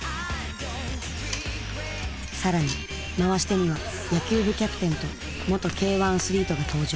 更に回し手には野球部キャプテンと元Ｋ‐１アスリートが登場。